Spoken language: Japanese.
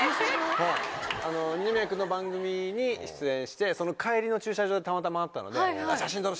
二宮君の番組に出演してその帰りの駐車場でたまたま会ったので。